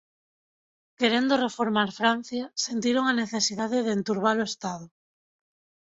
Querendo reformar Francia, sentiron a necesidade de enturba-lo Estado.